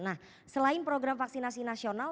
nah selain program vaksinasi nasional